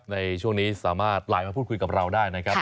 ในช่วงนี้สามารถไลน์มาพูดคุยกับเราได้นะครับ